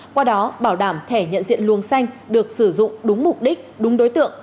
qua đó bảo đảm thẻ nhận diện luồng xanh được sử dụng đúng mục đích đúng đối tượng